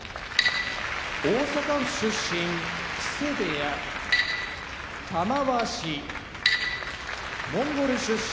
大阪府出身木瀬部屋玉鷲モンゴル出身